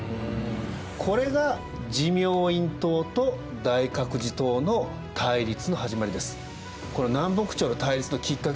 これが持明院統と大覚寺統の対立の始まりです。